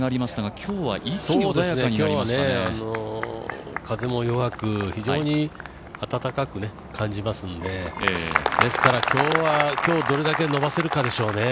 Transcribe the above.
今日は風も弱く非常に暖かく感じますので、ですから、今日どれだけ伸ばせるかでしょうね。